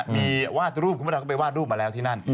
มีวาดรูปคุณพระดำก็ไปวาดรูปมาแล้วที่นั่น